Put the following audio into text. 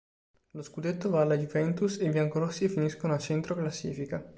Lo scudetto va alla Juventus e i biancorossi finiscono a centro classifica.